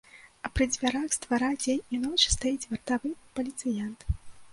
А пры дзвярах з двара дзень і ноч стаіць вартавы паліцыянт.